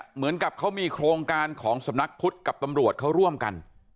เหมือนกับเขามีโครงการของสำนักพุทธกับตำรวจเขาร่วมกัน